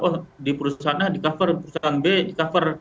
oh di perusahaan a di cover perusahaan b di cover